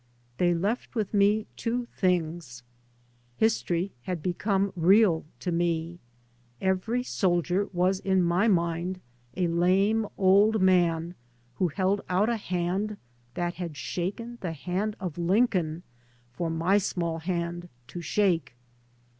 They left with me two things: History had become real to me ; every soldier was in my mind a lame old man who held out a hand that had shaken the hand of Lin coln for my small hand to shake.